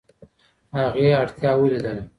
هغې اړتیا ولیدله.